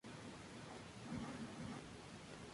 Han crecido las agroindustrias del trigo y la soya.